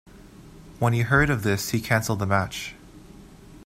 When he heard of this he cancelled the match.